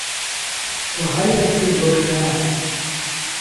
وەهای لەت کرد وهک خهیار